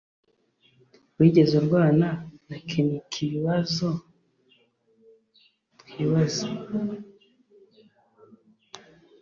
Wigeze urwana na Kenikibazo twibaza